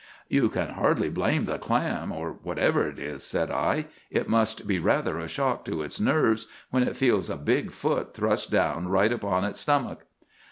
"'You can hardly blame the clam, or whatever it is,' said I. 'It must be rather a shock to its nerves when it feels a big foot thrust down right upon its stomach!